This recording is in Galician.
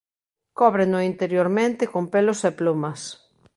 Cóbreno interiormente con pelos e plumas.